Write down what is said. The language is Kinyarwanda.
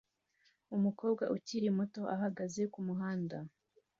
Umukobwa ukiri muto ahagaze kumuhanda